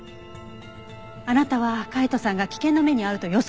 あなたは海斗さんが危険な目に遭うと予測していた。